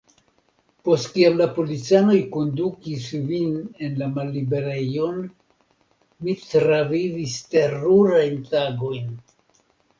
Post kiam la policanoj kondukis vin en la malliberejon, mi travivis terurajn tagojn.